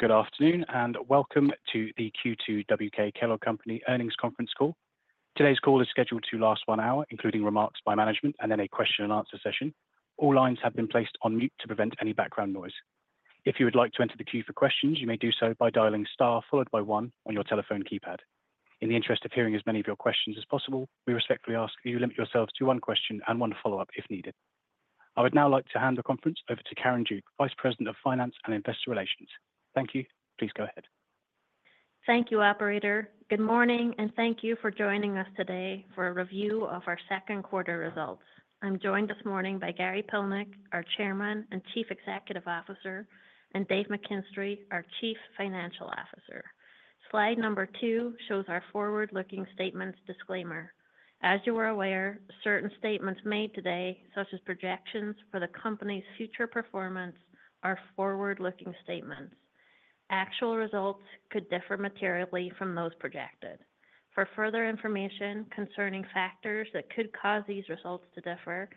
Good afternoon, and welcome to the Q2 WK Kellogg Company earnings conference call. Today's call is scheduled to last one hour, including remarks by management and then a question-and-answer session. All lines have been placed on mute to prevent any background noise. If you would like to enter the queue for questions, you may do so by dialing star followed by one on your telephone keypad. In the interest of hearing as many of your questions as possible, we respectfully ask that you limit yourselves to one question and one follow-up, if needed. I would now like to hand the conference over to Karen Duke, Vice President of Finance and Investor Relations. Thank you. Please go ahead. Thank you, operator. Good morning, and thank you for joining us today for a review of our second quarter results. I'm joined this morning by Gary Pilnick, our Chairman and Chief Executive Officer, and Dave McKinstray, our Chief Financial Officer. Slide number 2 shows our forward-looking statements disclaimer. As you are aware, certain statements made today, such as projections for the company's future performance, are forward-looking statements. Actual results could differ materially from those projected. For further information concerning factors that could cause these results to differ,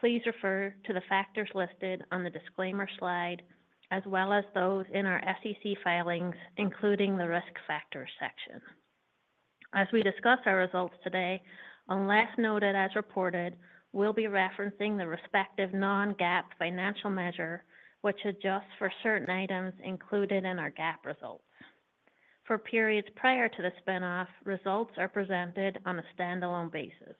please refer to the factors listed on the disclaimer slide, as well as those in our SEC filings, including the Risk Factors section. As we discuss our results today, unless noted as reported, we'll be referencing the respective Non-GAAP financial measure, which adjusts for certain items included in our GAAP results. For periods prior to the spin-off, results are presented on a standalone basis.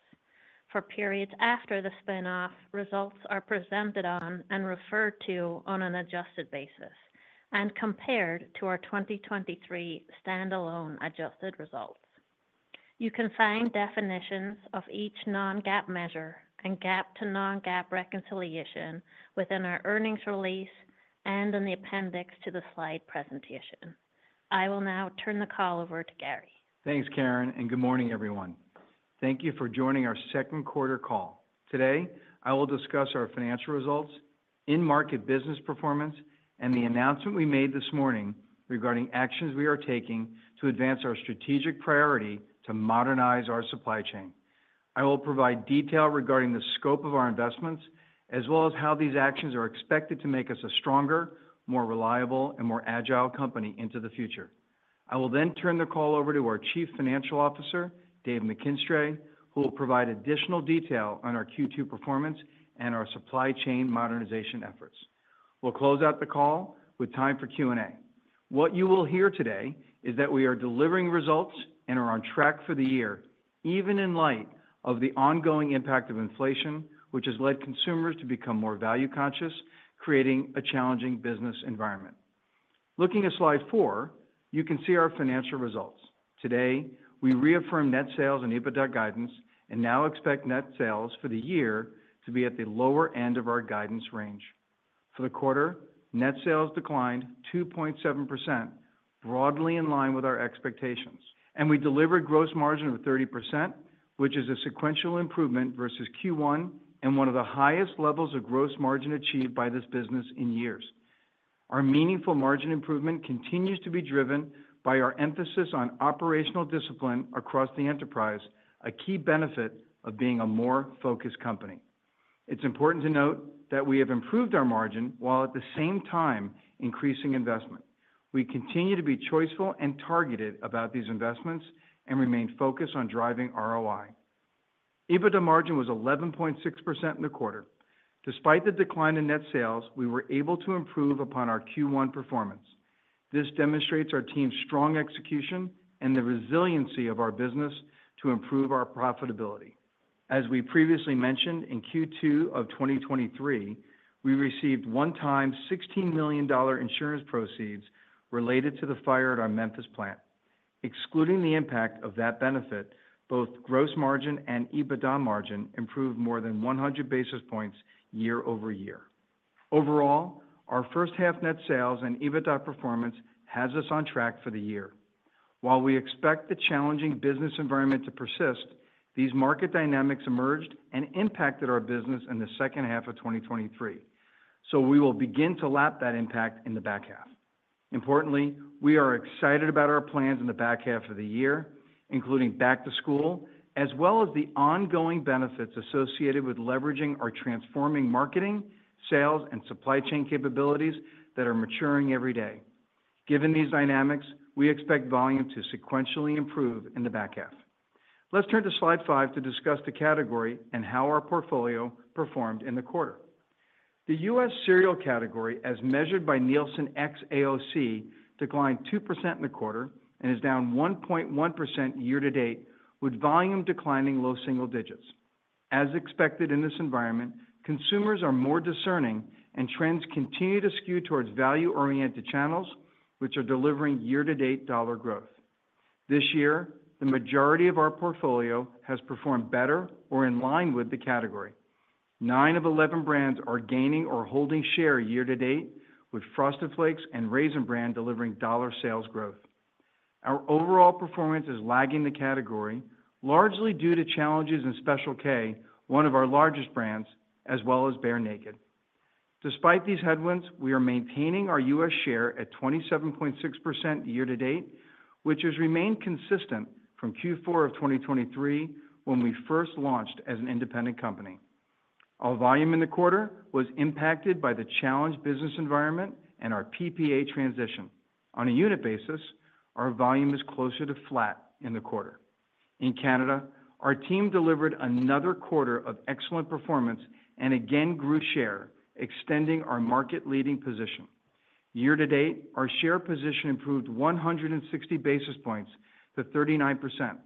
For periods after the spin-off, results are presented on and referred to on an adjusted basis and compared to our 2023 standalone adjusted results. You can find definitions of each Non-GAAP measure and GAAP to Non-GAAP reconciliation within our earnings release and in the appendix to the slide presentation. I will now turn the call over to Gary. Thanks, Karen, and good morning, everyone. Thank you for joining our second quarter call. Today, I will discuss our financial results, in-market business performance, and the announcement we made this morning regarding actions we are taking to advance our strategic priority to modernize our supply chain. I will provide detail regarding the scope of our investments, as well as how these actions are expected to make us a stronger, more reliable, and more agile company into the future. I will then turn the call over to our Chief Financial Officer, Dave McKinstray who will provide additional detail on our Q2 performance and our supply chain modernization efforts. We'll close out the call with time for Q&A. What you will hear today is that we are delivering results and are on track for the year, even in light of the ongoing impact of inflation, which has led consumers to become more value-conscious, creating a challenging business environment. Looking at Slide 4, you can see our financial results. Today, we reaffirm net sales and EBITDA guidance and now expect net sales for the year to be at the lower end of our guidance range. For the quarter, net sales declined 2.7%, broadly in line with our expectations, and we delivered gross margin of 30%, which is a sequential improvement versus Q1 and one of the highest levels of gross margin achieved by this business in years. Our meaningful margin improvement continues to be driven by our emphasis on operational discipline across the enterprise, a key benefit of being a more focused company. It's important to note that we have improved our margin while at the same time increasing investment. We continue to be choiceful and targeted about these investments and remain focused on driving ROI. EBITDA margin was 11.6% in the quarter. Despite the decline in net sales, we were able to improve upon our Q1 performance. This demonstrates our team's strong execution and the resiliency of our business to improve our profitability. As we previously mentioned, in Q2 of 2023, we received one-time $16 million insurance proceeds related to the fire at our Memphis plant. Excluding the impact of that benefit, both gross margin and EBITDA margin improved more than 100 basis points year-over-year. Overall, our first half net sales and EBITDA performance has us on track for the year. While we expect the challenging business environment to persist, these market dynamics emerged and impacted our business in the second half of 2023, so we will begin to lap that impact in the back half. Importantly, we are excited about our plans in the back half of the year, including back to school, as well as the ongoing benefits associated with leveraging our transforming marketing, sales, and supply chain capabilities that are maturing every day. Given these dynamics, we expect volume to sequentially improve in the back half. Let's turn to Slide 5 to discuss the category and how our portfolio performed in the quarter. The US cereal category, as measured by Nielsen xAOC, declined 2% in the quarter and is down 1.1% year to date, with volume declining low single digits. As expected in this environment, consumers are more discerning and trends continue to skew towards value-oriented channels, which are delivering year-to-date dollar growth. This year, the majority of our portfolio has performed better or in line with the category. 9 of 11 brands are gaining or holding share year to date, with Frosted Flakes and Raisin Bran delivering dollar sales growth. Our overall performance is lagging the category, largely due to challenges in Special K, one of our largest brands, as well as Bear Naked. Despite these headwinds, we are maintaining our U.S. share at 27.6% year to date, which has remained consistent from Q4 of 2023, when we first launched as an independent company. Our volume in the quarter was impacted by the challenged business environment and our PPA transition. On a unit basis, our volume is closer to flat in the quarter. In Canada, our team delivered another quarter of excellent performance and again grew share, extending our market leading position. Year to date, our share position improved 160 basis points to 39%,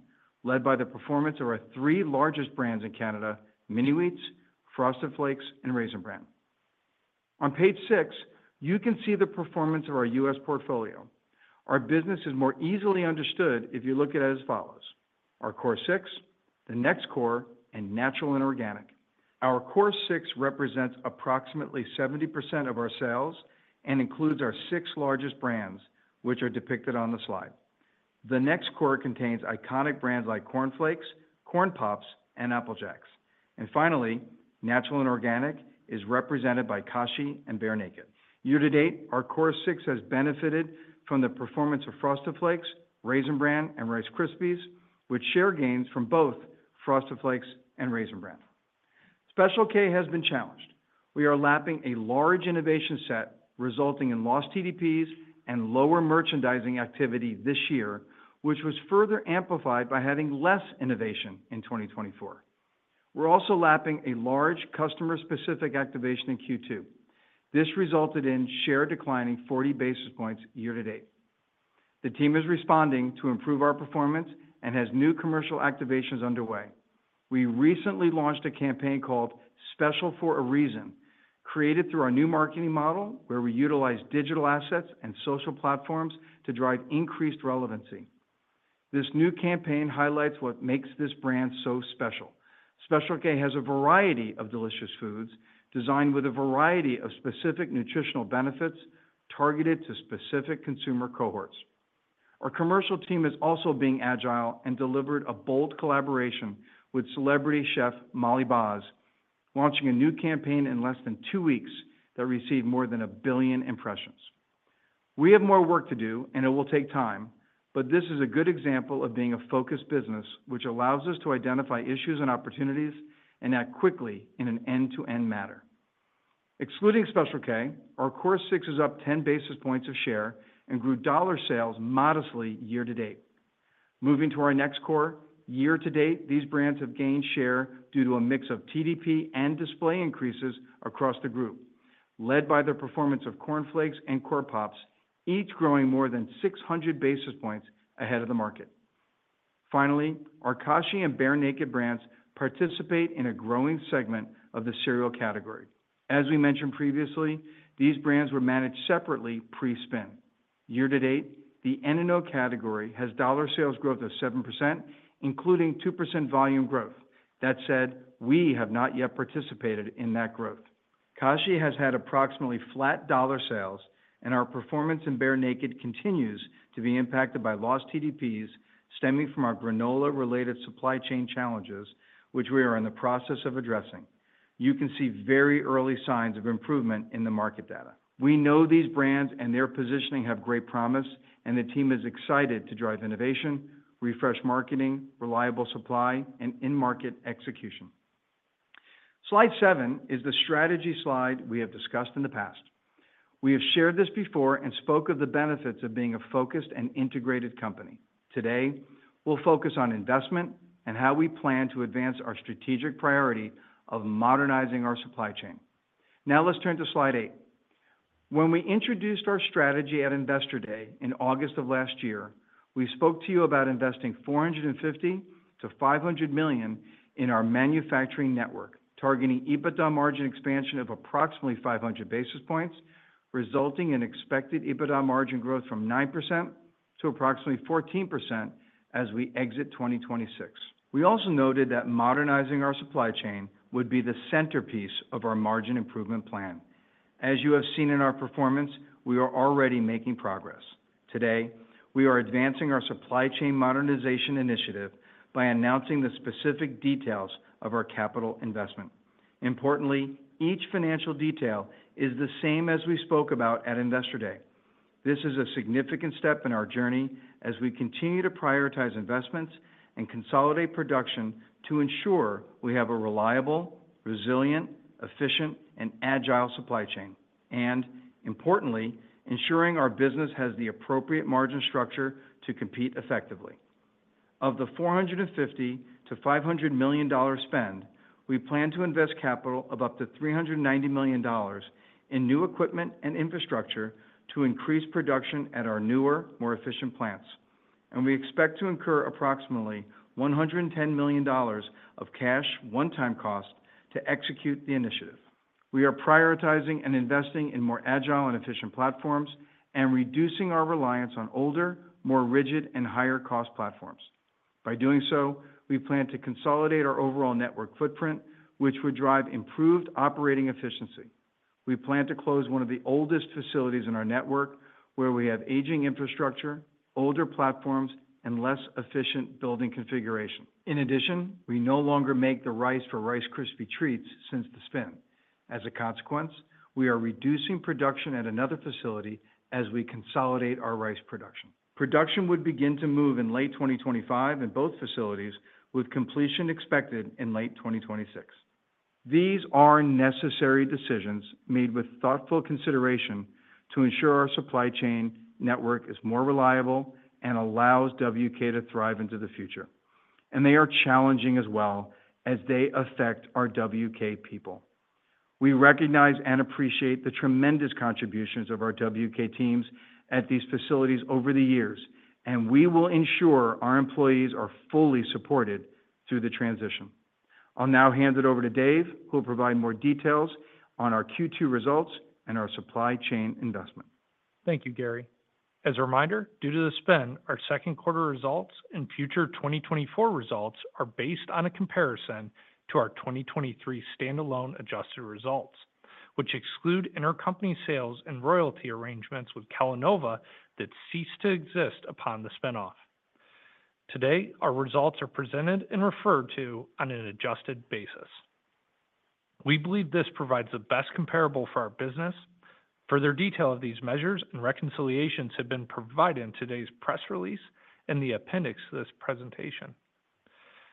led by the performance of our three largest brands in Canada, Frosted Mini-Wheats, Frosted Flakes, and Raisin Bran. On page six, you can see the performance of our US portfolio. Our business is more easily understood if you look at it as follows: our core six, the next core, and natural and organic. Our core six represents approximately 70% of our sales and includes our six largest brands, which are depicted on the slide. The next core contains iconic brands like Corn Flakes, Corn Pops, and Apple Jacks. And finally, natural and organic is represented by Kashi and Bear Naked. Year to date, our core six has benefited from the performance of Frosted Flakes, Raisin Bran, and Rice Krispies, with share gains from both Frosted Flakes and Raisin Bran. Special K has been challenged. We are lapping a large innovation set, resulting in lost TDPs and lower merchandising activity this year, which was further amplified by having less innovation in 2024. We're also lapping a large customer-specific activation in Q2. This resulted in share declining 40 basis points year to date. The team is responding to improve our performance and has new commercial activations underway. We recently launched a campaign called Special for a Reason, created through our new marketing model, where we utilize digital assets and social platforms to drive increased relevancy. This new campaign highlights what makes this brand so special. Special K has a variety of delicious foods designed with a variety of specific nutritional benefits targeted to specific consumer cohorts. Our commercial team is also being agile and delivered a bold collaboration with celebrity chef Molly Baz, launching a new campaign in less than two weeks that received more than 1 billion impressions. We have more work to do, and it will take time, but this is a good example of being a focused business, which allows us to identify issues and opportunities and act quickly in an end-to-end manner. Excluding Special K, our core six is up 10 basis points of share and grew dollar sales modestly year to date. Moving to our next core, year to date, these brands have gained share due to a mix of TDP and display increases across the group, led by the performance of Corn Flakes and Corn Pops, each growing more than 600 basis points ahead of the market. Finally, our Kashi and Bear Naked brands participate in a growing segment of the cereal category. As we mentioned previously, these brands were managed separately pre-spin. Year to date, the N&O category has dollar sales growth of 7%, including 2% volume growth. That said, we have not yet participated in that growth. Kashi has had approximately flat dollar sales, and our performance in Bear Naked continues to be impacted by lost TDPs stemming from our granola-related supply chain challenges, which we are in the process of addressing. You can see very early signs of improvement in the market data. We know these brands and their positioning have great promise, and the team is excited to drive innovation, refresh marketing, reliable supply, and in-market execution. Slide 7 is the strategy slide we have discussed in the past. We have shared this before and spoke of the benefits of being a focused and integrated company. Today, we'll focus on investment and how we plan to advance our strategic priority of modernizing our supply chain. Now let's turn to slide 8. When we introduced our strategy at Investor Day in August of last year, we spoke to you about investing $450 million-$500 million in our manufacturing network, targeting EBITDA margin expansion of approximately 500 basis points, resulting in expected EBITDA margin growth from 9% to approximately 14% as we exit 2026. We also noted that modernizing our supply chain would be the centerpiece of our margin improvement plan. As you have seen in our performance, we are already making progress. Today, we are advancing our supply chain modernization initiative by announcing the specific details of our capital investment. Importantly, each financial detail is the same as we spoke about at Investor Day. This is a significant step in our journey as we continue to prioritize investments and consolidate production to ensure we have a reliable, resilient, efficient, and agile supply chain, and importantly, ensuring our business has the appropriate margin structure to compete effectively. Of the $450 million-$500 million spend, we plan to invest capital of up to $390 million in new equipment and infrastructure to increase production at our newer, more efficient plants. We expect to incur approximately $110 million of cash, one-time cost to execute the initiative. We are prioritizing and investing in more agile and efficient platforms and reducing our reliance on older, more rigid, and higher cost platforms. By doing so, we plan to consolidate our overall network footprint, which would drive improved operating efficiency. We plan to close one of the oldest facilities in our network, where we have aging infrastructure, older platforms, and less efficient building configuration. In addition, we no longer make the rice for Rice Krispies Treats since the spin.... As a consequence, we are reducing production at another facility as we consolidate our rice production. Production would begin to move in late 2025 in both facilities, with completion expected in late 2026. These are necessary decisions made with thoughtful consideration to ensure our supply chain network is more reliable and allows WK to thrive into the future, and they are challenging as well as they affect our WK people. We recognize and appreciate the tremendous contributions of our WK teams at these facilities over the years, and we will ensure our employees are fully supported through the transition. I'll now hand it over to Dave, who will provide more details on our Q2 results and our supply chain investment. Thank you, Gary. As a reminder, due to the spin, our second quarter results and future 2024 results are based on a comparison to our 2023 standalone adjusted results, which exclude intercompany sales and royalty arrangements with Kellanova that ceased to exist upon the spin-off. Today, our results are presented and referred to on an adjusted basis. We believe this provides the best comparable for our business. Further detail of these measures and reconciliations have been provided in today's press release and the appendix to this presentation.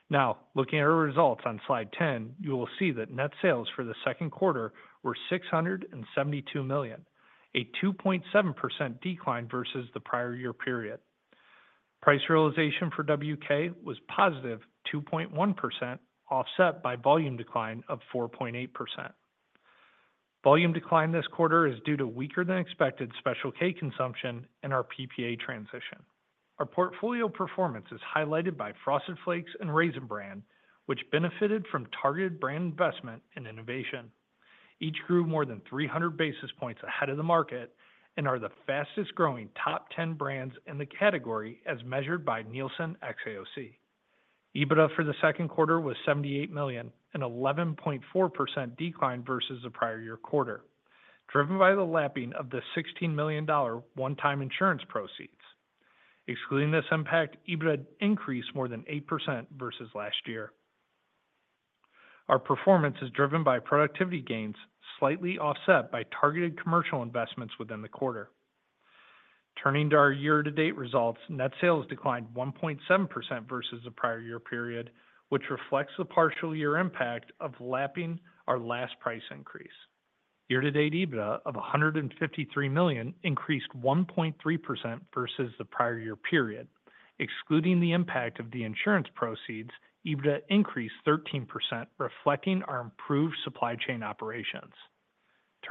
Now, looking at our results on slide 10, you will see that net sales for the second quarter were $672 million, a 2.7% decline versus the prior year period. Price realization for WK was positive 2.1%, offset by volume decline of 4.8%. Volume decline this quarter is due to weaker than expected Special K consumption and our PPA transition. Our portfolio performance is highlighted by Frosted Flakes and Raisin Bran, which benefited from targeted brand investment and innovation. Each grew more than 300 basis points ahead of the market and are the fastest growing top ten brands in the category as measured by Nielsen xAOC. EBITDA for the second quarter was $78 million, an 11.4% decline versus the prior year quarter, driven by the lapping of the $16 million one-time insurance proceeds. Excluding this impact, EBITDA increased more than 8% versus last year. Our performance is driven by productivity gains, slightly offset by targeted commercial investments within the quarter. Turning to our year-to-date results, net sales declined 1.7% versus the prior year period, which reflects the partial year impact of lapping our last price increase. Year-to-date EBITDA of $153 million increased 1.3% versus the prior year period. Excluding the impact of the insurance proceeds, EBITDA increased 13%, reflecting our improved supply chain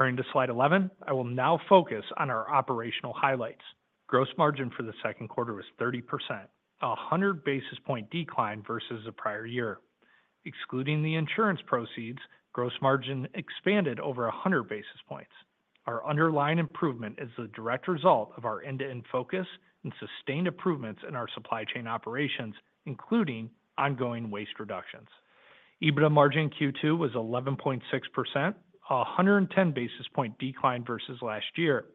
operations. Turning to slide 11, I will now focus on our operational highlights. Gross margin for the second quarter was 30%, 100 basis point decline versus the prior year. Excluding the insurance proceeds, gross margin expanded over 100 basis points. Our underlying improvement is the direct result of our end-to-end focus and sustained improvements in our supply chain operations, including ongoing waste reductions. EBITDA margin Q2 was 11.6%, 110 basis point decline versus last year.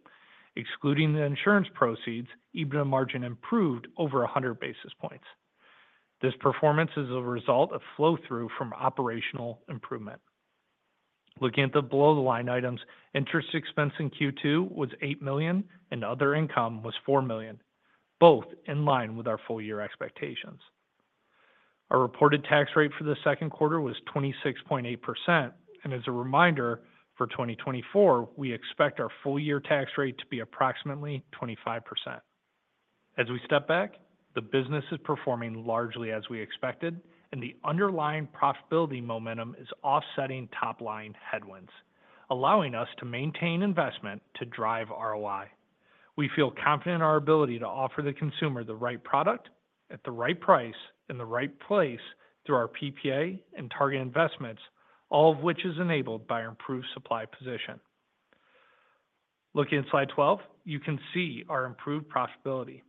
Excluding the insurance proceeds, EBITDA margin improved over 100 basis points. This performance is a result of flow-through from operational improvement. Looking at the below-the-line items, interest expense in Q2 was $8 million, and other income was $4 million, both in line with our full year expectations. Our reported tax rate for the second quarter was 26.8%, and as a reminder, for 2024, we expect our full year tax rate to be approximately 25%. As we step back, the business is performing largely as we expected, and the underlying profitability momentum is offsetting top-line headwinds, allowing us to maintain investment to drive ROI. We feel confident in our ability to offer the consumer the right product at the right price, in the right place through our PPA and target investments, all of which is enabled by our improved supply position. Looking at slide 12, you can see our improved profitability.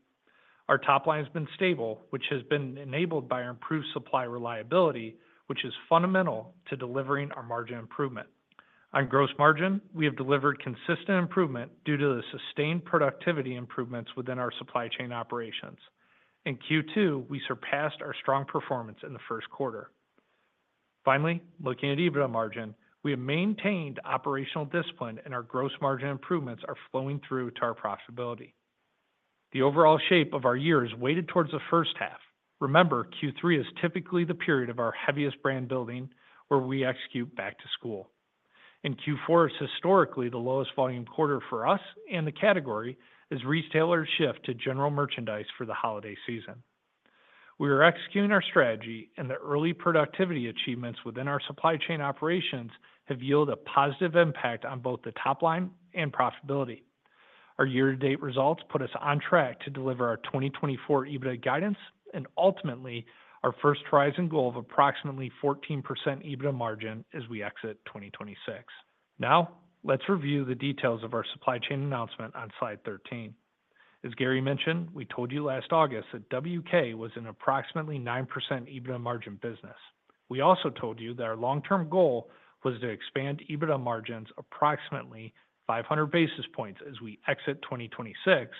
Our top line has been stable, which has been enabled by our improved supply reliability, which is fundamental to delivering our margin improvement. On gross margin, we have delivered consistent improvement due to the sustained productivity improvements within our supply chain operations. In Q2, we surpassed our strong performance in the first quarter. Finally, looking at EBITDA margin, we have maintained operational discipline, and our gross margin improvements are flowing through to our profitability. The overall shape of our year is weighted towards the first half. Remember, Q3 is typically the period of our heaviest brand building, where we execute back to school. Q4 is historically the lowest volume quarter for us and the category as retailers shift to general merchandise for the holiday season. We are executing our strategy, and the early productivity achievements within our supply chain operations have yielded a positive impact on both the top line and profitability. Our year-to-date results put us on track to deliver our 2024 EBITDA guidance and ultimately our first horizon goal of approximately 14% EBITDA margin as we exit 2026. Now, let's review the details of our supply chain announcement on slide 13. As Gary mentioned, we told you last August that WK was an approximately 9% EBITDA margin business. We also told you that our long-term goal was to expand EBITDA margins approximately 500 basis points as we exit 2026,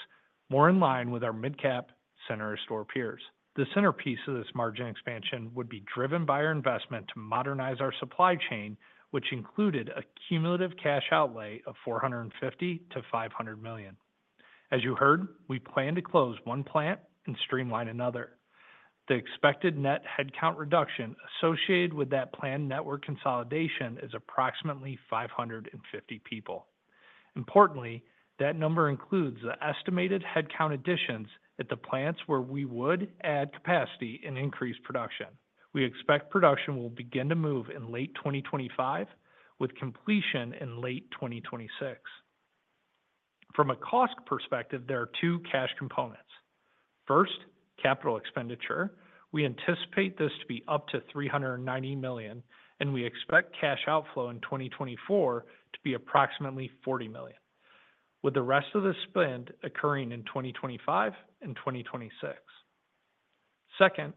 more in line with our midcap center store peers. The centerpiece of this margin expansion would be driven by our investment to modernize our supply chain, which included a cumulative cash outlay of $450 million-$500 million. As you heard, we plan to close one plant and streamline another. The expected net headcount reduction associated with that planned network consolidation is approximately 550 people. Importantly, that number includes the estimated headcount additions at the plants where we would add capacity and increase production. We expect production will begin to move in late 2025, with completion in late 2026. From a cost perspective, there are two cash components. First, capital expenditure. We anticipate this to be up to $390 million, and we expect cash outflow in 2024 to be approximately $40 million, with the rest of the spend occurring in 2025 and 2026. Second,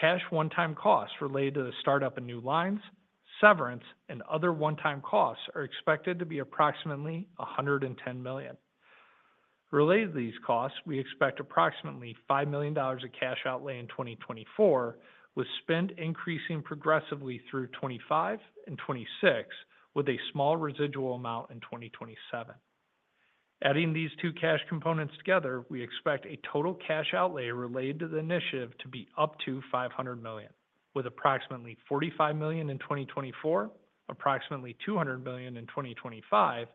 cash one-time costs related to the startup of new lines, severance, and other one-time costs are expected to be approximately $110 million. Related to these costs, we expect approximately $5 million of cash outlay in 2024, with spend increasing progressively through 2025 and 2026, with a small residual amount in 2027. Adding these two cash components together, we expect a total cash outlay related to the initiative to be up to $500 million, with approximately $45 million in 2024, approximately $200 million in 2025,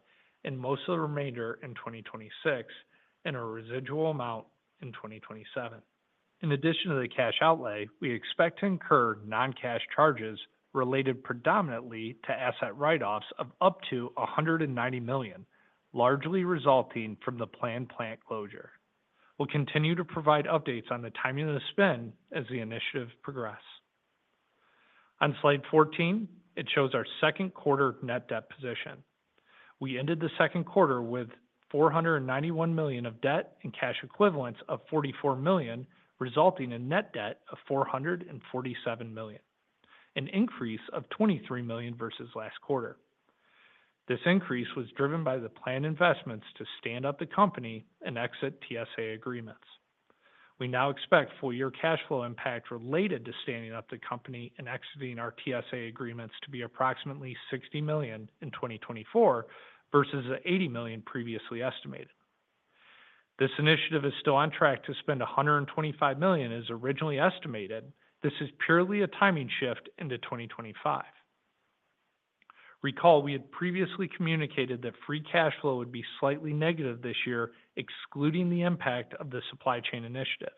and most of the remainder in 2026, and a residual amount in 2027. In addition to the cash outlay, we expect to incur non-cash charges related predominantly to asset write-offs of up to $190 million, largely resulting from the planned plant closure. We'll continue to provide updates on the timing of the spend as the initiative progresses. On slide 14, it shows our second quarter net debt position. We ended the second quarter with $491 million of debt and cash equivalents of $44 million, resulting in net debt of $447 million, an increase of $23 million versus last quarter. This increase was driven by the planned investments to stand up the company and exit TSA agreements. We now expect full year cash flow impact related to standing up the company and exiting our TSA agreements to be approximately $60 million in 2024 versus the $80 million previously estimated. This initiative is still on track to spend $125 million as originally estimated. This is purely a timing shift into 2025. Recall, we had previously communicated that Free Cash Flow would be slightly negative this year, excluding the impact of the supply chain initiative.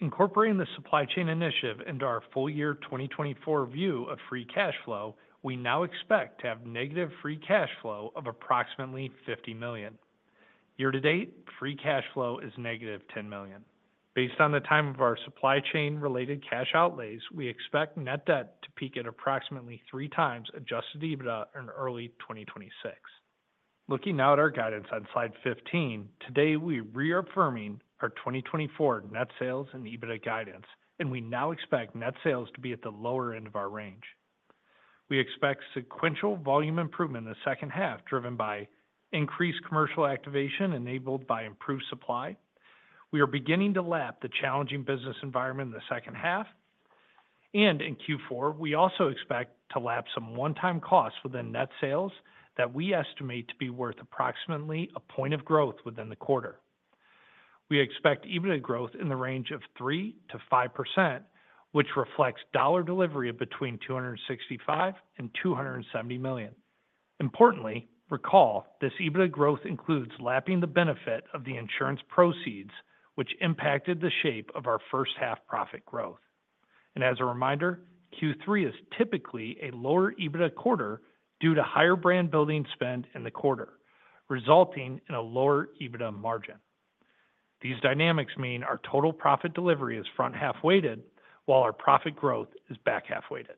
Incorporating the supply chain initiative into our full year 2024 view of Free Cash Flow, we now expect to have negative Free Cash Flow of approximately $50 million. Year to date, Free Cash Flow is -$10 million. Based on the timing of our supply chain-related cash outlays, we expect net debt to peak at approximately 3x Adjusted EBITDA in early 2026. Looking now at our guidance on Slide 15, today we're reaffirming our 2024 net sales and EBITDA guidance, and we now expect net sales to be at the lower end of our range. We expect sequential volume improvement in the second half, driven by increased commercial activation enabled by improved supply. We are beginning to lap the challenging business environment in the second half, and in Q4, we also expect to lap some one-time costs within net sales that we estimate to be worth approximately a point of growth within the quarter. We expect EBITDA growth in the range of 3%-5%, which reflects dollar delivery of between $265 million and $270 million. Importantly, recall, this EBITDA growth includes lapping the benefit of the insurance proceeds, which impacted the shape of our first half profit growth. And as a reminder, Q3 is typically a lower EBITDA quarter due to higher brand building spend in the quarter, resulting in a lower EBITDA margin. These dynamics mean our total profit delivery is front-half weighted, while our profit growth is back-half weighted.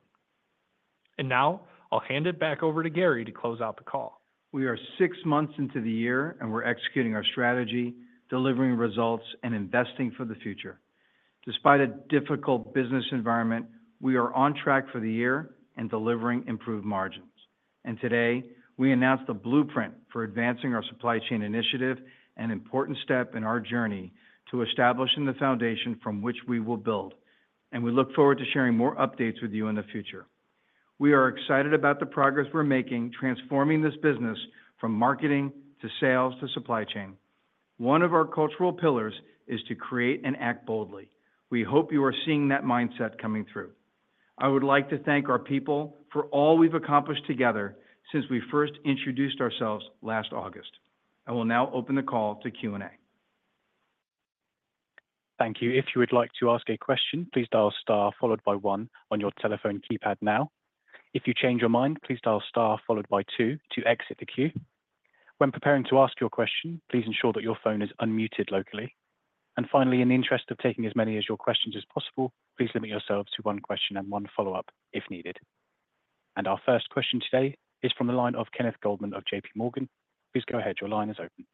And now I'll hand it back over to Gary to close out the call. We are six months into the year, and we're executing our strategy, delivering results, and investing for the future. Despite a difficult business environment, we are on track for the year and delivering improved margins. Today, we announced a blueprint for advancing our supply chain initiative, an important step in our journey to establishing the foundation from which we will build. We look forward to sharing more updates with you in the future. We are excited about the progress we're making, transforming this business from marketing, to sales, to supply chain. One of our cultural pillars is to create and act boldly. We hope you are seeing that mindset coming through. I would like to thank our people for all we've accomplished together since we first introduced ourselves last August. I will now open the call to Q&A. Thank you. If you would like to ask a question, please dial star followed by one on your telephone keypad now. If you change your mind, please dial star followed by two to exit the queue. When preparing to ask your question, please ensure that your phone is unmuted locally. And finally, in the interest of taking as many of your questions as possible, please limit yourselves to one question and one follow-up if needed. And our first question today is from the line of Kenneth Goldman of J.P. Morgan. Please go ahead. Your line is open.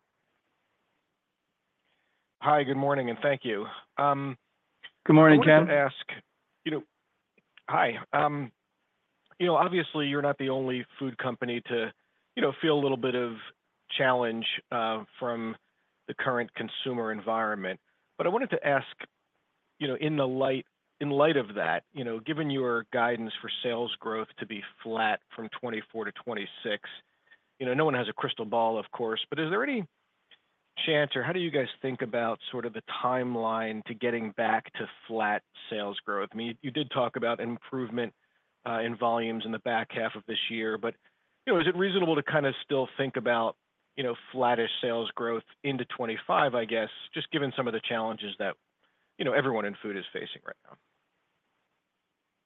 Hi, good morning, and thank you. Good morning, Ken. Hi, you know, obviously, you're not the only food company to, you know, feel a little bit of challenge from the current consumer environment. But I wanted to ask, you know, in light of that, you know, given your guidance for sales growth to be flat from 2024 to 2026, you know, no one has a crystal ball, of course, but is there any chance, or how do you guys think about sort of the timeline to getting back to flat sales growth? I mean, you did talk about improvement in volumes in the back half of this year, but, you know, is it reasonable to kinda still think about, you know, flattish sales growth into 2025, I guess, just given some of the challenges that, you know, everyone in food is facing right now?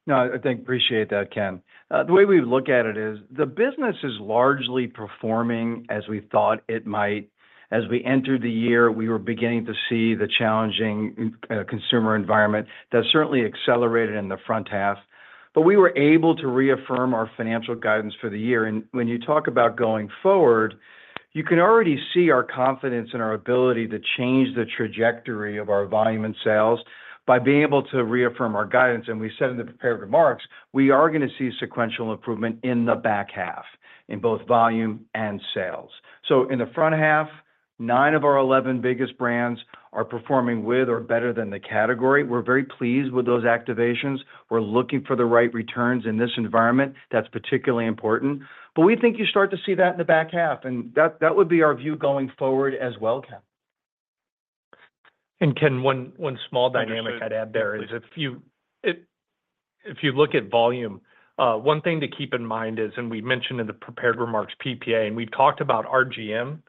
No, I think, appreciate that, Ken. The way we look at it is, the business is largely performing as we thought it might. As we entered the year, we were beginning to see the challenging consumer environment that certainly accelerated in the front half. But we were able to reaffirm our financial guidance for the year. And when you talk about going forward, you can already see our confidence and our ability to change the trajectory of our volume and sales by being able to reaffirm our guidance. And we said in the prepared remarks, we are gonna see sequential improvement in the back half in both volume and sales. So in the front half, nine of our 11 biggest brands are performing with or better than the category. We're very pleased with those activations. We're looking for the right returns in this environment. That's particularly important. But we think you start to see that in the back half, and that would be our view going forward as well, Ken. Ken, one small dynamic I'd add there- Sure, please... is if you look at volume, one thing to keep in mind is, and we mentioned in the prepared remarks, PPA, and we've talked about RGM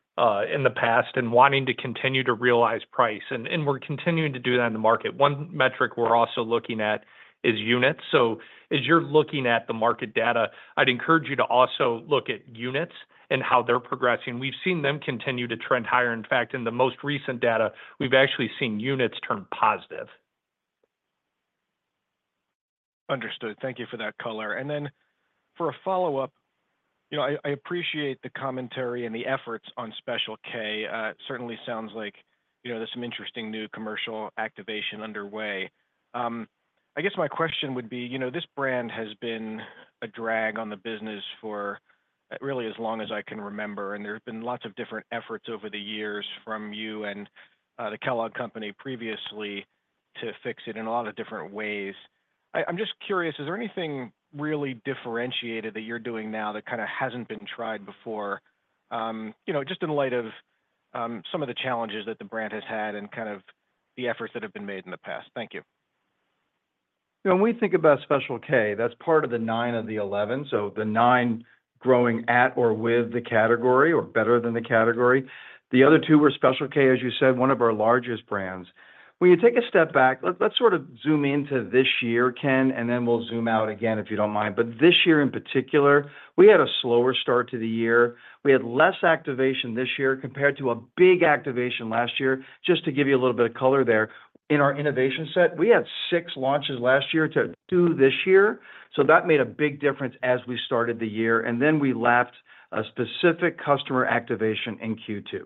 in the past and wanting to continue to realize price, and we're continuing to do that in the market. One metric we're also looking at is units. So as you're looking at the market data, I'd encourage you to also look at units and how they're progressing. We've seen them continue to trend higher. In fact, in the most recent data, we've actually seen units turn positive. Understood. Thank you for that color. And then, for a follow-up, you know, I appreciate the commentary and the efforts on Special K. It certainly sounds like, you know, there's some interesting new commercial activation underway. I guess my question would be, you know, this brand has been a drag on the business for really as long as I can remember, and there have been lots of different efforts over the years from you and the Kellogg Company previously to fix it in a lot of different ways. I'm just curious, is there anything really differentiated that you're doing now that kinda hasn't been tried before? You know, just in light of some of the challenges that the brand has had and kind of the efforts that have been made in the past. Thank you. When we think about Special K, that's part of the 9 of the 11, so the 9 growing at or with the category or better than the category. The other two were Special K, as you said, one of our largest brands. When you take a step back... Let's, let's sort of zoom in to this year, Ken, and then we'll zoom out again, if you don't mind. But this year in particular, we had a slower start to the year. We had less activation this year compared to a big activation last year. Just to give you a little bit of color there. In our innovation set, we had 6 launches last year to do this year, so that made a big difference as we started the year, and then we lapped a specific customer activation in Q2.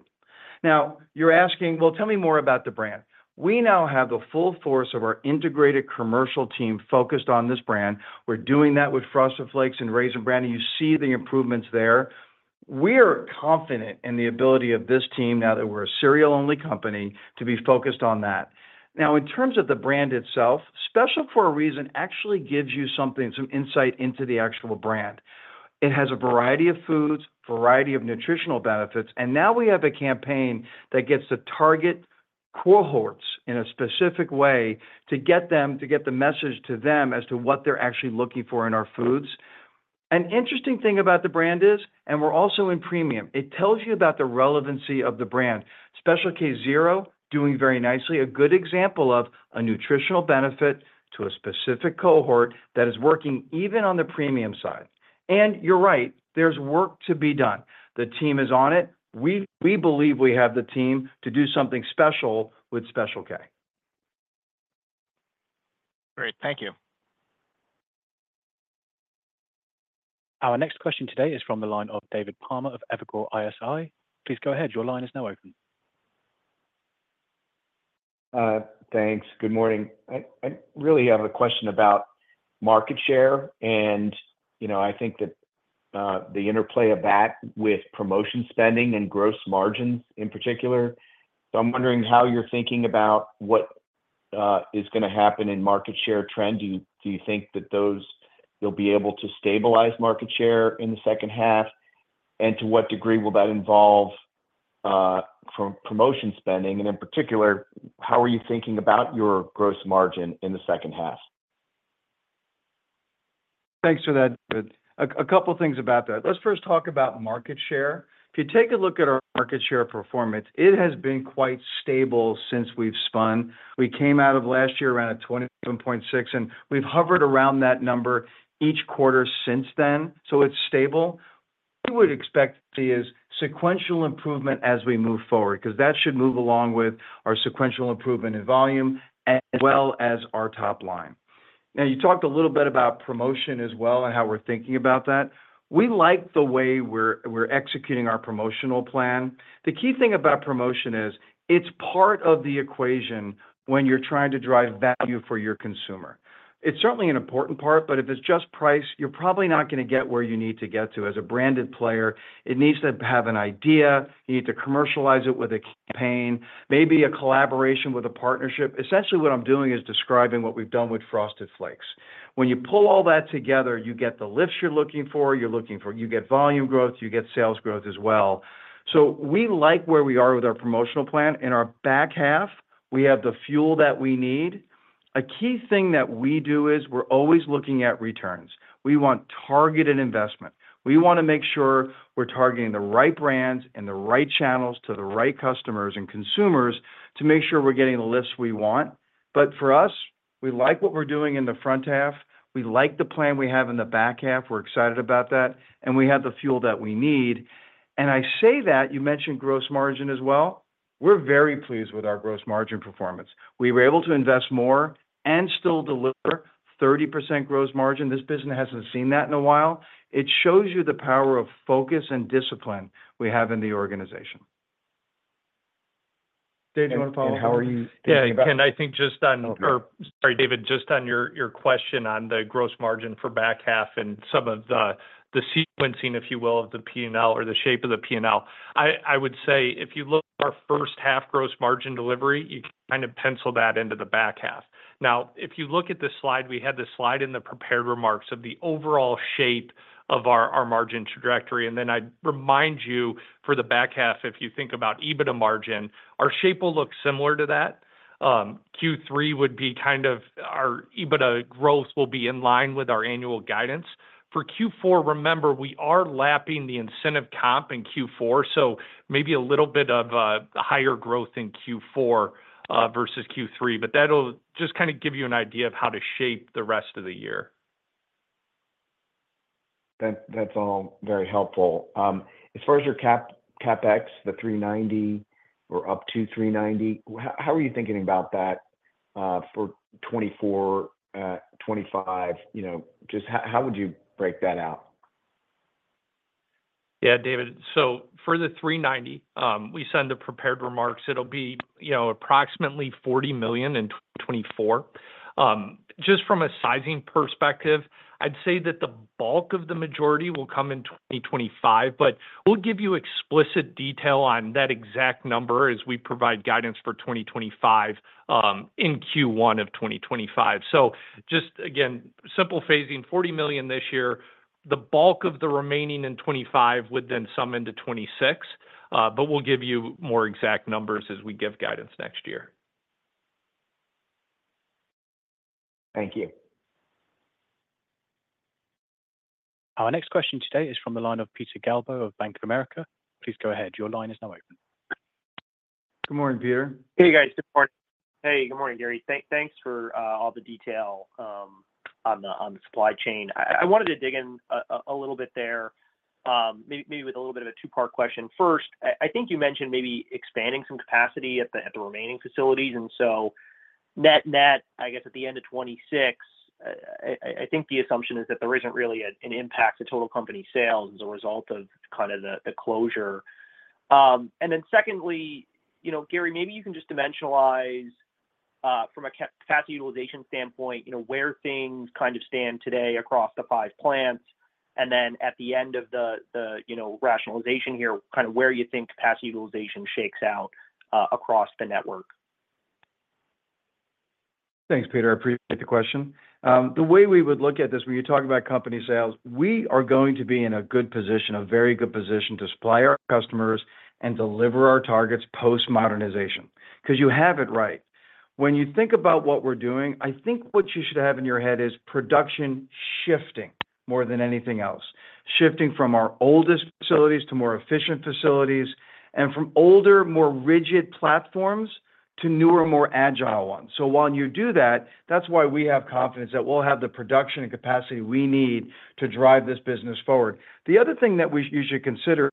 Now, you're asking, "Well, tell me more about the brand." We now have the full force of our integrated commercial team focused on this brand. We're doing that with Frosted Flakes and Raisin Bran, and you see the improvements there. We're confident in the ability of this team, now that we're a cereal-only company, to be focused on that. Now, in terms of the brand itself, Special K for a reason actually gives you something, some insight into the actual brand. It has a variety of foods, variety of nutritional benefits, and now we have a campaign that gets to target cohorts in a specific way to get the message to them as to what they're actually looking for in our foods. An interesting thing about the brand is, and we're also in premium, it tells you about the relevancy of the brand. Special K Zero, doing very nicely, a good example of a nutritional benefit to a specific cohort that is working even on the premium side. You're right, there's work to be done. The team is on it. We, we believe we have the team to do something special with Special K. Great. Thank you. Our next question today is from the line of David Palmer of Evercore ISI. Please go ahead. Your line is now open. Thanks. Good morning. I really have a question about market share, and, you know, I think that the interplay of that with promotion spending and gross margins in particular. So I'm wondering how you're thinking about what is gonna happen in market share trend. Do you think that you'll be able to stabilize market share in the second half? And to what degree will that involve from promotion spending, and in particular, how are you thinking about your gross margin in the second half? Thanks for that, David. A couple things about that. Let's first talk about market share. If you take a look at our market share performance, it has been quite stable since we've spun. We came out of last year around at 27.6, and we've hovered around that number each quarter since then, so it's stable. We would expect to see a sequential improvement as we move forward because that should move along with our sequential improvement in volume as well as our top line. Now, you talked a little bit about promotion as well and how we're thinking about that. We like the way we're executing our promotional plan. The key thing about promotion is, it's part of the equation when you're trying to drive value for your consumer. It's certainly an important part, but if it's just price, you're probably not gonna get where you need to get to. As a branded player, it needs to have an idea, you need to commercialize it with a campaign, maybe a collaboration with a partnership. Essentially, what I'm doing is describing what we've done with Frosted Flakes. When you pull all that together, you get the lifts you're looking for, you're looking for you get volume growth, you get sales growth as well. So we like where we are with our promotional plan. In our back half, we have the fuel that we need. A key thing that we do is, we're always looking at returns. We want targeted investment. We wanna make sure we're targeting the right brands and the right channels to the right customers and consumers to make sure we're getting the lifts we want. But for us, we like what we're doing in the front half, we like the plan we have in the back half. We're excited about that, and we have the fuel that we need. And I say that, you mentioned gross margin as well. We're very pleased with our gross margin performance. We were able to invest more and still deliver 30% gross margin. This business hasn't seen that in a while. It shows you the power of focus and discipline we have in the organization. Dave, do you want to follow up? And how are you thinking about- Yeah, and I think just on- Oh, sorry. Sorry, David, just on your question on the gross margin for back half and some of the sequencing, if you will, of the P&L or the shape of the P&L. I would say, if you look at our first half gross margin delivery, you can kind of pencil that into the back half. Now, if you look at this slide, we had this slide in the prepared remarks of the overall shape of our margin trajectory. And then I'd remind you, for the back half, if you think about EBITDA margin, our shape will look similar to that. Q3 would be kind of our EBITDA growth will be in line with our annual guidance. For Q4, remember, we are lapping the incentive comp in Q4, so maybe a little bit of higher growth in Q4 versus Q3, but that'll just kind of give you an idea of how to shape the rest of the year. That, that's all very helpful. As far as your CapEx, the $390 or up to $390, how are you thinking about that for 2024, 2025? You know, just how would you break that out? Yeah, David. So for the 390, we send the prepared remarks, it'll be, you know, approximately $40 million in 2024. Just from a sizing perspective, I'd say that the bulk of the majority will come in 2025, but we'll give you explicit detail on that exact number as we provide guidance for 2025, in Q1 of 2025. So just again, simple phasing, $40 million this year. The bulk of the remaining in 2025 would then sum into 2026, but we'll give you more exact numbers as we give guidance next year. Thank you. Our next question today is from the line of Peter Galbo of Bank of America. Please go ahead. Your line is now open. Good morning, Peter. Hey, guys. Good morning. Hey, good morning, Gary. Thanks for all the detail on the supply chain. I wanted to dig in a little bit there, maybe with a little bit of a two-part question. First, I think you mentioned maybe expanding some capacity at the remaining facilities, and so net, I guess, at the end of 2026, I think the assumption is that there isn't really an impact to total company sales as a result of kind of the closure. And then secondly, you know, Gary, maybe you can just dimensionalize from a capacity utilization standpoint, you know, where things kind of stand today across the five plants, and then at the end of the, you know, rationalization here, kind of where you think capacity utilization shakes out across the network. Thanks, Peter. I appreciate the question. The way we would look at this, when you talk about company sales, we are going to be in a good position, a very good position to supply our customers and deliver our targets post-modernization. 'Cause you have it right. When you think about what we're doing, I think what you should have in your head is production shifting more than anything else. Shifting from our oldest facilities to more efficient facilities, and from older, more rigid platforms to newer, more agile ones. So while you do that, that's why we have confidence that we'll have the production and capacity we need to drive this business forward. The other thing that we, you should consider,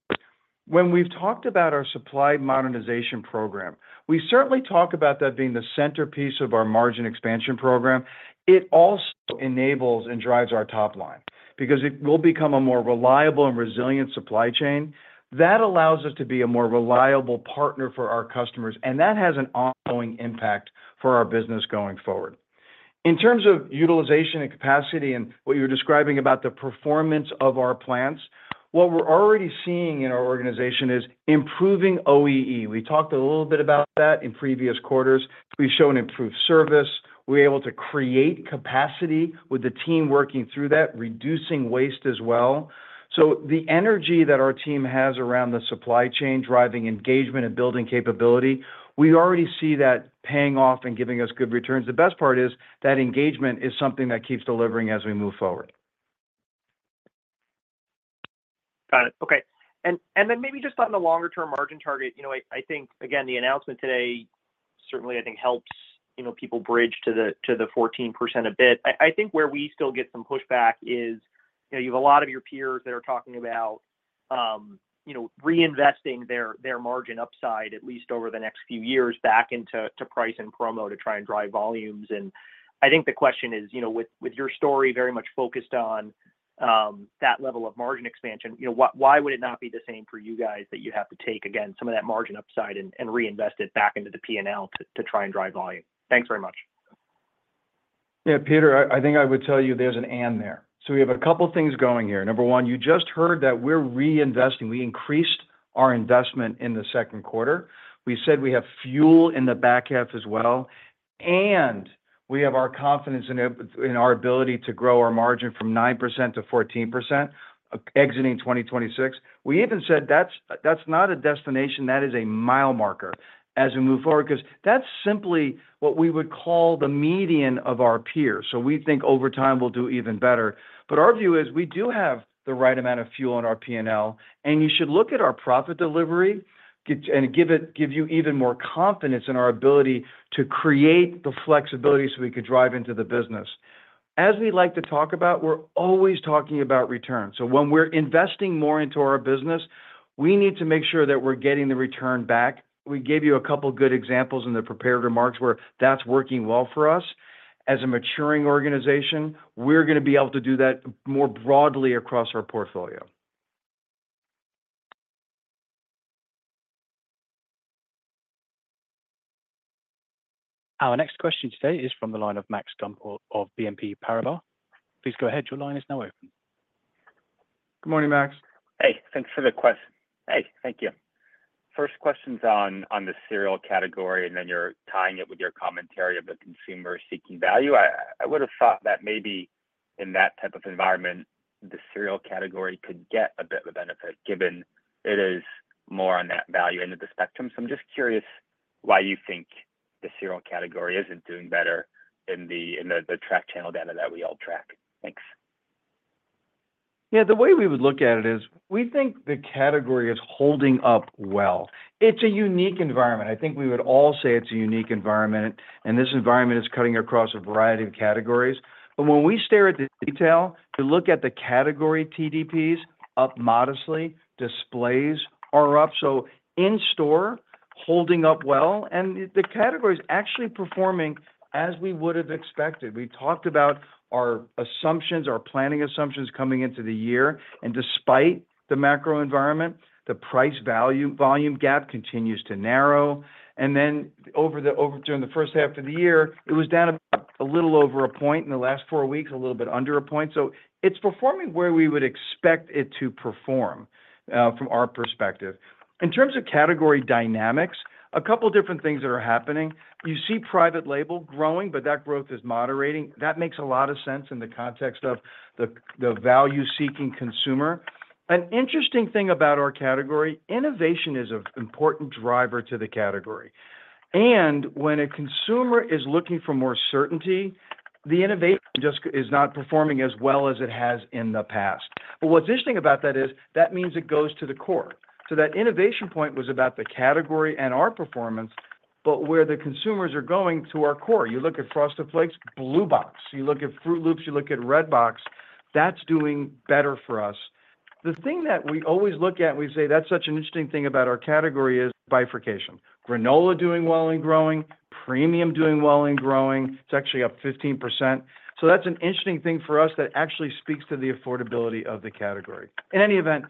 when we've talked about our supply modernization program, we certainly talk about that being the centerpiece of our margin expansion program. It also enables and drives our top line because it will become a more reliable and resilient supply chain. That allows us to be a more reliable partner for our customers, and that has an ongoing impact for our business going forward. In terms of utilization and capacity and what you're describing about the performance of our plants, what we're already seeing in our organization is improving OEE. We talked a little bit about that in previous quarters. We've shown improved service. We're able to create capacity with the team working through that, reducing waste as well. So the energy that our team has around the supply chain, driving engagement and building capability, we already see that paying off and giving us good returns. The best part is that engagement is something that keeps delivering as we move forward. Got it. Okay. And then maybe just on the longer-term margin target, you know, I think, again, the announcement today certainly, I think, helps, you know, people bridge to the fourteen percent a bit. I think where we still get some pushback is, you know, you have a lot of your peers that are talking about reinvesting their margin upside, at least over the next few years, back into price and promo to try and drive volumes. And I think the question is, you know, with your story very much focused on that level of margin expansion, you know, why would it not be the same for you guys that you have to take, again, some of that margin upside and reinvest it back into the P&L to try and drive volume? Thanks very much. Yeah, Peter, I, I think I would tell you there's an and there. So we have a couple things going here. Number one, you just heard that we're reinvesting. We increased our investment in the second quarter. We said we have fuel in the back half as well, and we have our confidence in it, in our ability to grow our margin from 9% to 14%, exiting 2026. We even said that's, that's not a destination, that is a mile marker as we move forward, 'cause that's simply what we would call the median of our peers. So we think over time we'll do even better. But our view is, we do have the right amount of fuel on our P&L, and you should look at our profit delivery, and give you even more confidence in our ability to create the flexibility so we can drive into the business. As we like to talk about, we're always talking about returns. So when we're investing more into our business, we need to make sure that we're getting the return back. We gave you a couple good examples in the prepared remarks where that's working well for us. As a maturing organization, we're gonna be able to do that more broadly across our portfolio. Our next question today is from the line of Max Gumport of BNP Paribas. Please go ahead, your line is now open. Good morning, Max. Hey, thanks for the question. Hey, thank you. First question's on the cereal category, and then you're tying it with your commentary of the consumer seeking value. I would've thought that maybe in that type of environment, the cereal category could get a bit of a benefit, given it is more on that value end of the spectrum. So I'm just curious why you think the cereal category isn't doing better in the tracked channel data that we all track? Thanks. Yeah, the way we would look at it is, we think the category is holding up well. It's a unique environment. I think we would all say it's a unique environment, and this environment is cutting across a variety of categories. But when we stare at the detail, we look at the category TDPs, up modestly, displays are up. So in store, holding up well, and the, the category's actually performing as we would've expected. We talked about our assumptions, our planning assumptions coming into the year, and despite the macro environment, the price, value, volume gap continues to narrow. And then during the first half of the year, it was down about a little over a point, in the last four weeks, a little bit under a point. So it's performing where we would expect it to perform, from our perspective. In terms of category dynamics, a couple different things that are happening. You see private label growing, but that growth is moderating. That makes a lot of sense in the context of the value-seeking consumer. An interesting thing about our category, innovation is an important driver to the category. And when a consumer is looking for more certainty, the innovation just is not performing as well as it has in the past. But what's interesting about that is, that means it goes to the core. So that innovation point was about the category and our performance, but where the consumers are going to our core. You look at Frosted Flakes, blue box. You look at Froot Loops, you look at red box. That's doing better for us. The thing that we always look at, we say that's such an interesting thing about our category is bifurcation. Granola doing well and growing, premium doing well and growing. It's actually up 15%. So that's an interesting thing for us that actually speaks to the affordability of the category. In any event,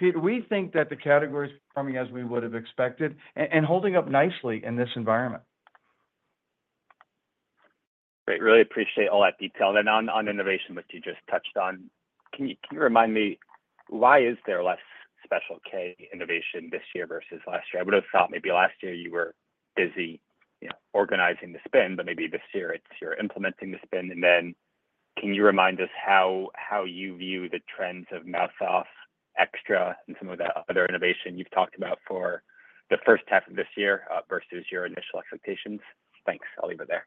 Peter, we think that the category is performing as we would've expected, and holding up nicely in this environment. Great. Really appreciate all that detail. And then on, on innovation, which you just touched on, can you, can you remind me, why is there less Special K innovation this year versus last year? I would've thought maybe last year you were busy, you know, organizing the spin, but maybe this year you're implementing the spin. And then, can you remind us how, how you view the Eat Your Mouth Off, Extra and some of the other innovation you've talked about for the first half of this year versus your initial expectations? Thanks. I'll leave it there.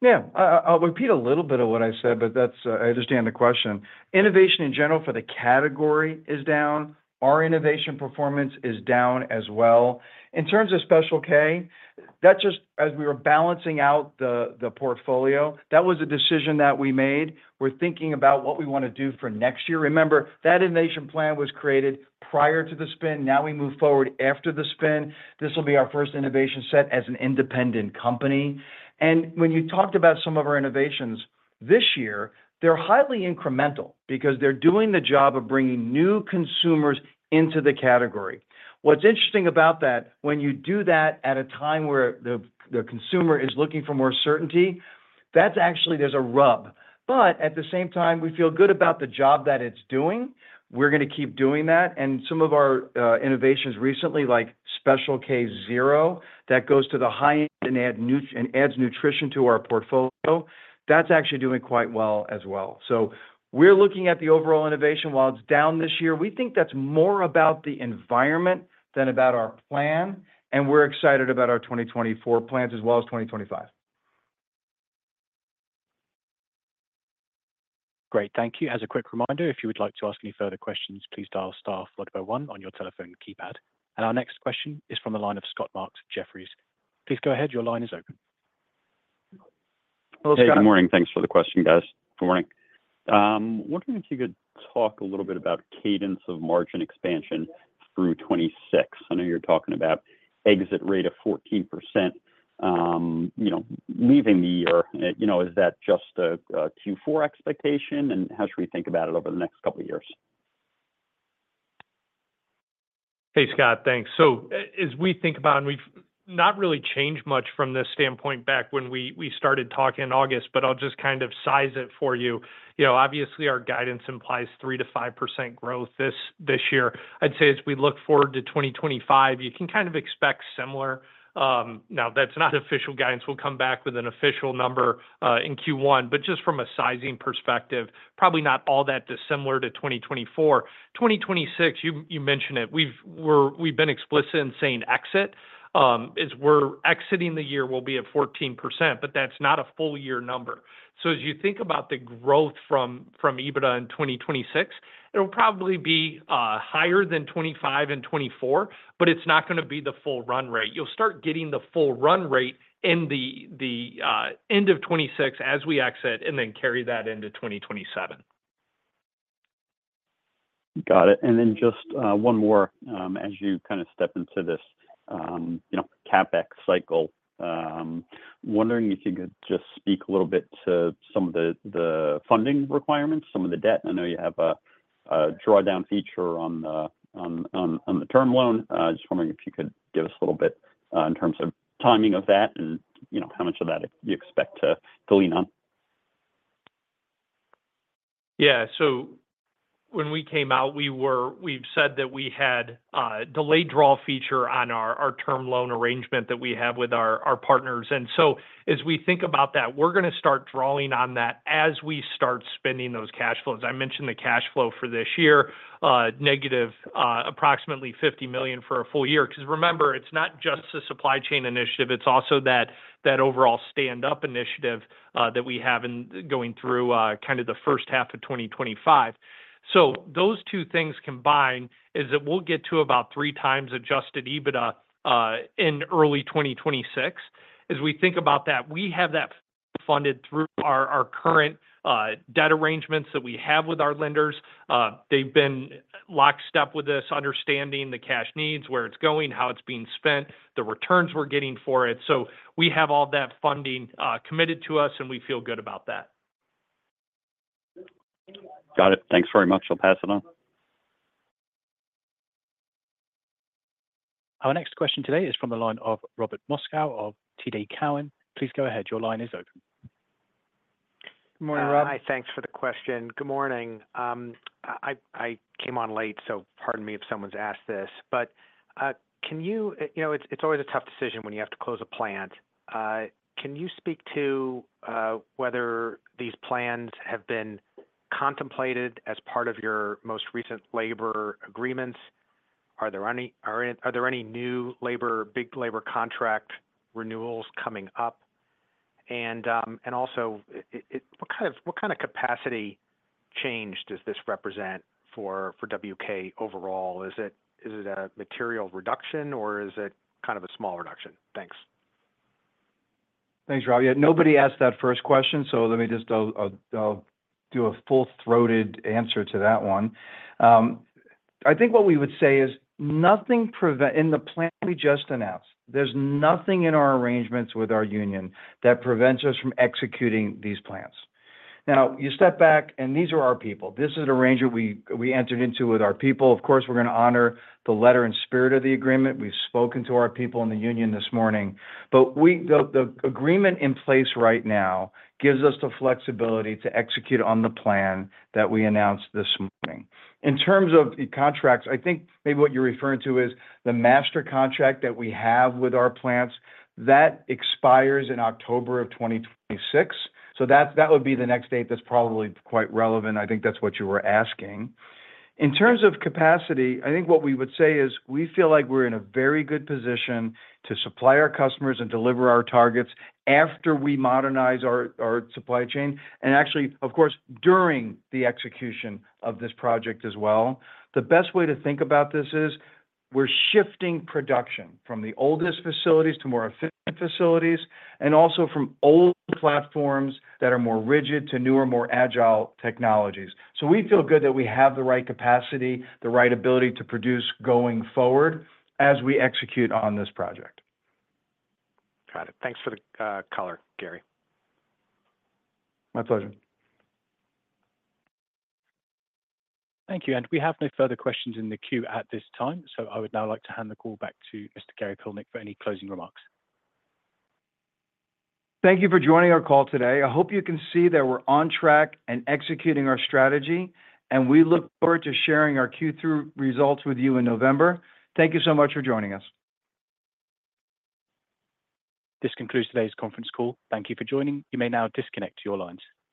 Yeah. I'll repeat a little bit of what I said, but that's... I understand the question. Innovation in general for the category is down. Our innovation performance is down as well. In terms of Special K, that's just as we were balancing out the portfolio, that was a decision that we made. We're thinking about what we wanna do for next year. Remember, that innovation plan was created prior to the spin. Now we move forward after the spin. This will be our first innovation set as an independent company. And when you talked about some of our innovations this year, they're highly incremental because they're doing the job of bringing new consumers into the category. What's interesting about that, when you do that at a time where the consumer is looking for more certainty, that's actually there's a rub. But at the same time, we feel good about the job that it's doing. We're gonna keep doing that, and some of our innovations recently, like Special K Zero, that goes to the high end and adds nutrition to our portfolio, that's actually doing quite well as well. So we're looking at the overall innovation. While it's down this year, we think that's more about the environment than about our plan, and we're excited about our 2024 plans as well as 2025. Great, thank you. As a quick reminder, if you would like to ask any further questions, please dial star followed by one on your telephone keypad. And our next question is from the line of Scott Mushkin, Jefferies. Please go ahead, your line is open. ... Hey, good morning. Thanks for the question, guys. Good morning. Wondering if you could talk a little bit about cadence of margin expansion through 2026. I know you're talking about exit rate of 14%, you know, leaving the year. You know, is that just a Q4 expectation, and how should we think about it over the next couple of years? Hey, Scott. Thanks. So as we think about, and we've not really changed much from this standpoint back when we started talking in August, but I'll just kind of size it for you. You know, obviously, our guidance implies 3%-5% growth this year. I'd say as we look forward to 2025, you can kind of expect similar. Now, that's not official guidance. We'll come back with an official number in Q1, but just from a sizing perspective, probably not all that dissimilar to 2024. 2026, you mentioned it. We've been explicit in saying exit, as we're exiting the year, we'll be at 14%, but that's not a full year number. So as you think about the growth from EBITDA in 2026, it'll probably be higher than 2025 and 2024, but it's not gonna be the full run rate. You'll start getting the full run rate in the end of '26 as we exit, and then carry that into 2027. Got it, and then just one more. As you kind of step into this, you know, CapEx cycle, wondering if you could just speak a little bit to some of the funding requirements, some of the debt. I know you have a drawdown feature on the term loan. Just wondering if you could give us a little bit in terms of timing of that and, you know, how much of that you expect to lean on. Yeah. So when we came out, we've said that we had delayed draw feature on our term loan arrangement that we have with our partners. And so, as we think about that, we're gonna start drawing on that as we start spending those cash flows. I mentioned the cash flow for this year, negative approximately $50 million for a full year. 'Cause remember, it's not just a supply chain initiative, it's also that overall stand-up initiative that we have going through kind of the first half of 2025. So those two things combined is that we'll get to about 3x Adjusted EBITDA in early 2026. As we think about that, we have that funded through our current debt arrangements that we have with our lenders. They've been lockstep with this, understanding the cash needs, where it's going, how it's being spent, the returns we're getting for it. So we have all that funding, committed to us, and we feel good about that. Got it. Thanks very much. I'll pass it on. Our next question today is from the line of Robert Moskow of TD Cowen. Please go ahead. Your line is open. Good morning, Rob. Hi. Thanks for the question. Good morning. I came on late, so pardon me if someone's asked this, but can you—you know, it's always a tough decision when you have to close a plant. Can you speak to whether these plans have been contemplated as part of your most recent labor agreements? Are there any new labor, big labor contract renewals coming up? And also, what kind of capacity change does this represent for WK overall? Is it a material reduction, or is it kind of a small reduction? Thanks. Thanks, Rob. Yeah, nobody asked that first question, so let me just, I'll do a full-throated answer to that one. I think what we would say is nothing prevents in the plan we just announced, there's nothing in our arrangements with our union that prevents us from executing these plans. Now, you step back, and these are our people. This is an arrangement we entered into with our people. Of course, we're gonna honor the letter and spirit of the agreement. We've spoken to our people in the union this morning. But the agreement in place right now gives us the flexibility to execute on the plan that we announced this morning. In terms of the contracts, I think maybe what you're referring to is the master contract that we have with our plants, that expires in October of 2026. So that would be the next date that's probably quite relevant. I think that's what you were asking. In terms of capacity, I think what we would say is we feel like we're in a very good position to supply our customers and deliver our targets after we modernize our supply chain, and actually, of course, during the execution of this project as well. The best way to think about this is, we're shifting production from the oldest facilities to more efficient facilities, and also from old platforms that are more rigid to newer, more agile technologies. So we feel good that we have the right capacity, the right ability to produce going forward as we execute on this project. Got it. Thanks for the color, Gary. My pleasure. Thank you, and we have no further questions in the queue at this time, so I would now like to hand the call back to Mr. Gary Pilnick for any closing remarks. Thank you for joining our call today. I hope you can see that we're on track and executing our strategy, and we look forward to sharing our Q3 results with you in November. Thank you so much for joining us. This concludes today's conference call. Thank you for joining. You may now disconnect your lines.